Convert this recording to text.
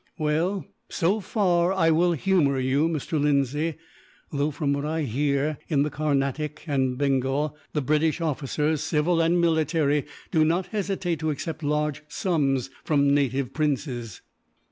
"Well, so far I will humour you, Mr. Lindsay; though from what I hear, in the Carnatic and Bengal the British officers, civil and military, do not hesitate to accept large sums from native princes."